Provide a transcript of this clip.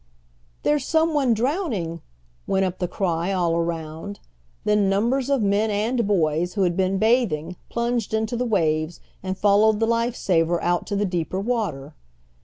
"There's someone drowning!" went up the cry all around. Then numbers of men and boys, who had been bathing, plunged into the waves, and followed the life saver out to the deeper water.